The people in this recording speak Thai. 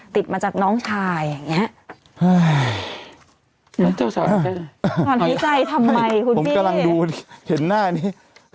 ติดมาจากน้องชายอย่างนี้